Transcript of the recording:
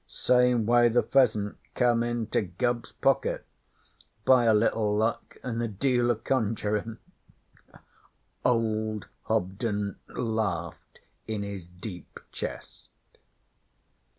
'Same way the pheasant come into Gubbs's pocket by a little luck an' a deal o' conjurin'.' Old Hobden laughed in his deep chest.